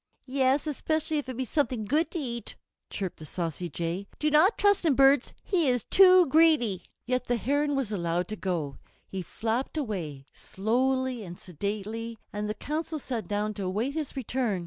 "Yes, especially if it be something good to eat," chirped the saucy Jay, "do not trust him, birds, he is too greedy." Yet the Heron was allowed to go. He flapped away, slowly and sedately, and the Council sat down to await his return.